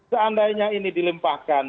seandainya ini dilempahkan